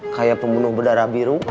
kayak pembunuh berdarah biru